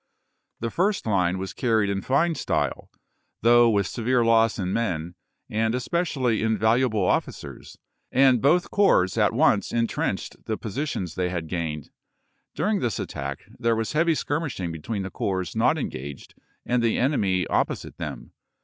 The first line was carried in fine style, though with severe loss in men, and especially in valuable officers, and both corps at once intrenched the positions they had gained. During this attack there was heavy skirmishing between the corps not engaged and the enemy op posite them.